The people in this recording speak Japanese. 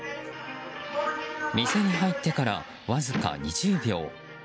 店に入ってから、わずか２０秒。